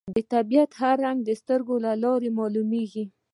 د طبیعت هر رنګ د سترګو له لارې معلومېږي